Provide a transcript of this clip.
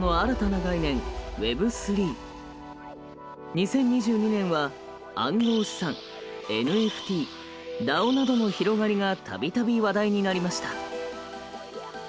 ２０２２年は暗号資産ＮＦＴＤＡＯなどの広がりが度々話題になりました。